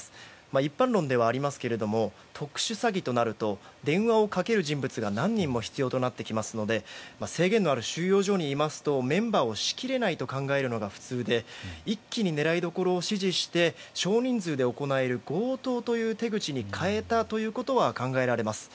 一般論ですが、特殊詐欺となると電話をかける人物が何人も必要となるので制限のある収容所にいるとメンバーを仕切れないと考えるのが普通で一気に狙いどころを指示して少人数で行える強盗という手口に変えたことは考えられます。